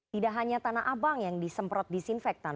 tidak hanya tanah abang yang disemprot disinfektan